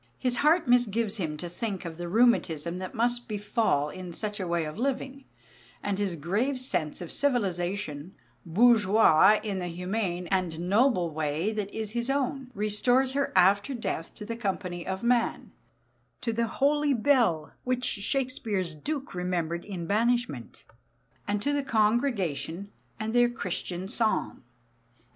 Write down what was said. His heart misgives him to think of the rheumatism that must befall in such a way of living; and his grave sense of civilization, bourgeois in the humane and noble way that is his own, restores her after death to the company of man, to the "holy bell," which Shakespeare's Duke remembered in banishment, and to the congregation and their "Christian psalm."